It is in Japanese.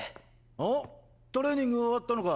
おトレーニング終わったのか？